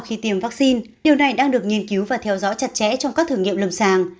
khi tiêm vắc xin điều này đang được nghiên cứu và theo dõi chặt chẽ trong các thử nghiệm lầm sàng